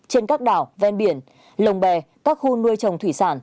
trên các đảo ven biển lồng bè các khu nuôi trồng thủy sản